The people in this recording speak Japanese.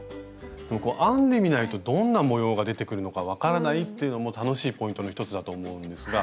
こう編んでみないとどんな模様が出てくるのか分からないっていうのも楽しいポイントの一つだと思うんですが。